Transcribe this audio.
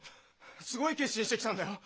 すごい決心して来たんだよ。